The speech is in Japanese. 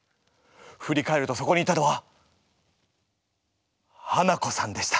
ふり返るとそこにいたのはハナコさんでした。